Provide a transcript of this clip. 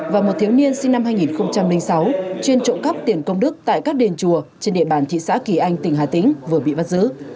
và một thiếu niên sinh năm hai nghìn sáu chuyên trộm cắp tiền công đức tại các đền chùa trên địa bàn thị xã kỳ anh tỉnh hà tĩnh vừa bị bắt giữ